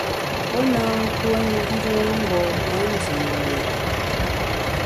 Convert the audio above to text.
Pe nâ ntue njun mgbom-a ndî li’.